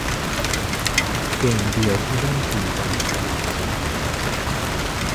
เกมเดียวที่เล่นจริงจังคือ